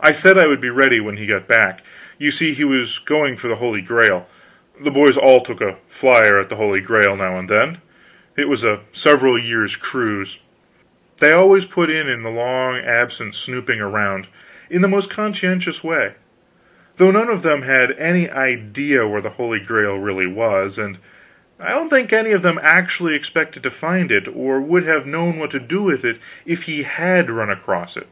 I said I would be ready when he got back. You see, he was going for the Holy Grail. The boys all took a flier at the Holy Grail now and then. It was a several years' cruise. They always put in the long absence snooping around, in the most conscientious way, though none of them had any idea where the Holy Grail really was, and I don't think any of them actually expected to find it, or would have known what to do with it if he had run across it.